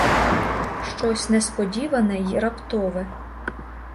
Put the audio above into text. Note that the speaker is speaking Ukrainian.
Щось несподіване й раптове.